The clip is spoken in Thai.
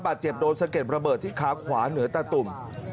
บาดเจ็บโดนสะเก็ดระเบิดที่ขาขวาเหนือตาตุ่ม